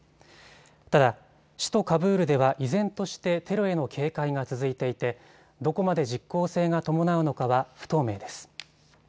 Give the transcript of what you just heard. ただ、首都カブールでは依然としてテロへの警戒が続いていてどこまで実効性が伴うのかは不透明です。